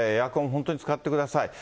本当に使ってください。